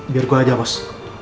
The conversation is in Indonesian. biar gua aja bos